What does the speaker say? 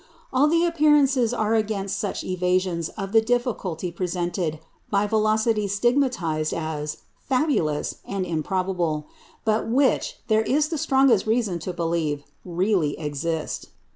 All the appearances are against such evasions of the difficulty presented by velocities stigmatised as "fabulous" and "improbable," but which, there is the strongest reason to believe, really exist.